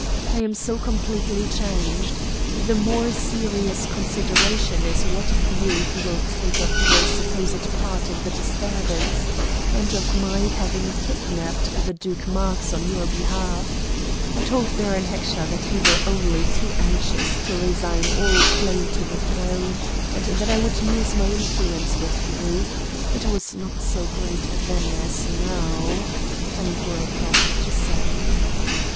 I am so completely changed. The more serious consideration is what view he will take of your supposed part in the disturbance, and of my having kidnapped the Duke Marx on your behalf. I told Baron Heckscher that you were only too anxious to resign all claim to the throne, and that I would use my influence with you it was not so great then as now," I broke off to say.